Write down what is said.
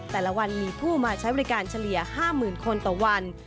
แต่ละวันมีผู้มาใช้บริการเฉลี่ย๕๐๐๐คนต่อวัน